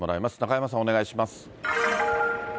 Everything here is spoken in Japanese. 中山さん、お願いします。